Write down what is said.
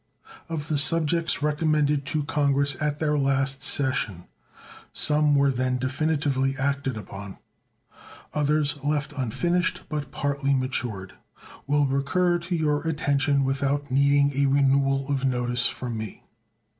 Of the subjects recommended to Congress at their last session, some were then definitively acted upon. Others, left unfinished, but partly matured, will recur to your attention without needing a renewal of notice from me.